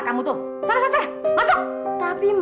udah pulang ya ampun